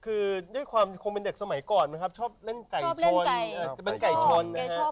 คือด้วยความคงเป็นเด็กสมัยก่อนนะครับชอบเล่นไก่โชน